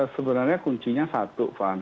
sebenarnya kuncinya satu van